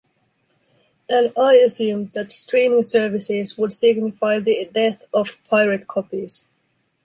And I assumed that streaming services would signify the death of pirate copies.